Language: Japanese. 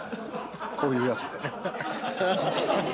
こういうやつで。